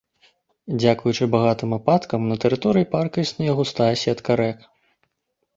Дзякуючы багатым ападкам на тэрыторыі парка існуе густая сетка рэк.